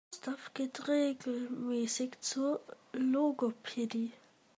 Gustav geht regelmäßig zur Logopädie.